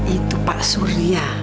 itu pak surya